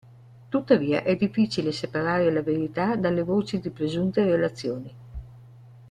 Tuttavia è difficile separare la verità dalle voci di presunte relazioni.